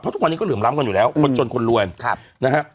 เพราะทุกวันนี้ก็เหลื่อมล้ำกันอยู่แล้วอืมคนจนคนร้วยครับนะฮะ